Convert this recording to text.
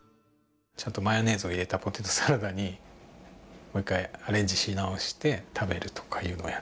ちょっとマヨネーズを入れたポテトサラダにもう一回アレンジし直して食べるとかいうのをやってますね。